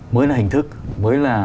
mới là hình thức mới là